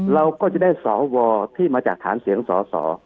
เราก็จะได้สวที่มาจากฐานเสียงสอสอ